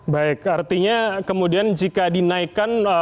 baik artinya kemudian jika dinaikkan